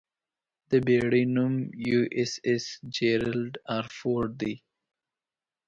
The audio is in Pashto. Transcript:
د بېړۍ نوم 'یواېساېس جېرالډ ار فورډ' دی.